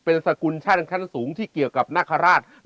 เป็นสกุลชั่นขั้นสูงที่เกี่ยวกับนาคาราช